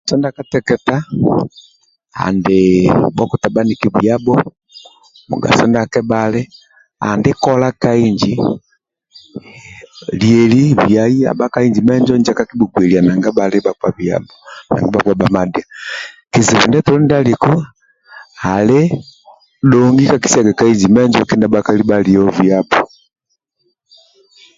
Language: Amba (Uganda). Mugaso ndia kateketa ali bhokota bhaniki biyabho, mugaso ndia kebhali andi kola lka inji lieli na inja kakibhugueliaga ka inji menjo na kizibu ndietolo ndia alibe dhongi kakisiyaga ka inji menjo kindia bhakali biyabho bhaliyo